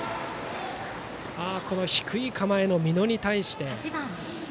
低い構えの美濃に対して。